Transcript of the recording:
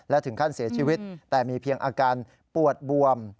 และถึงขั้นเสียชีวิตแต่มีเพียงอาการปวดบวม